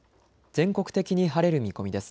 全国的に晴れる見込みです。